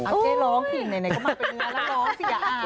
อ้าวเจ๊ร้องผิดไหนก็มาเป็นงานร้องเสียอาหาร